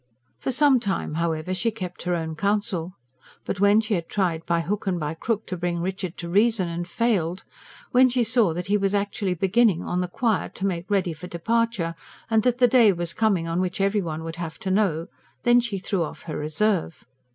For some time, however, she kept her own counsel. But when she had tried by hook and by crook to bring Richard to reason, and failed; when she saw that he was actually beginning, on the quiet, to make ready for departure, and that the day was coming on which every one would have to know: then she threw off her reserve.